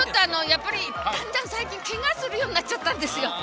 最近けがするようになっちゃったんですよ。